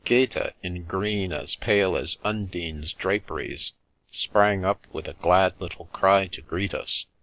Gaeta, in green as pale as Undine's draperies, sprang up with a glad little cry to greet us.